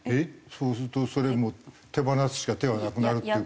そうするとそれを手放すしか手はなくなるっていう事？